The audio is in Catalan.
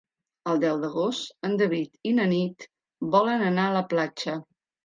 El deu d'agost en David i na Nit volen anar a la platja.